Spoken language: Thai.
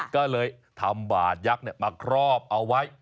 ก็เลยทำบาดยักษ์มาครอบเอาไว้